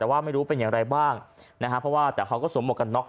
แต่ว่าไม่รู้เป็นอย่างไรบ้างนะฮะเพราะว่าแต่เขาก็สวมหวกกันน็อก